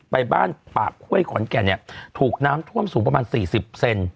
ไปบ้านปากห้วยขอนแก่นเนี่ยถูกน้ำท่วมสูงประมาณ๔๐เซน